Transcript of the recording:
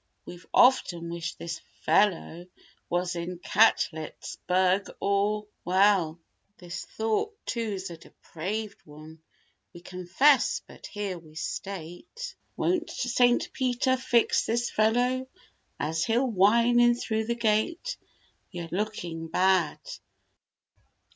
We've often wished this "fellow" was in Catletts burg or—. Well This thought, too's a depraved one, we confess, but here we state— Won't Saint Peter fix this "fellow" as he'll whine in through the gate— "You're looking bad."